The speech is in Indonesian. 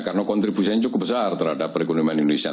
karena kontribusinya cukup besar terhadap perekonomian indonesia